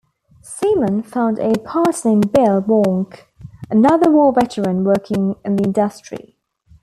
Seaman found a partner in Bill Warnke, another war veteran working in the industry.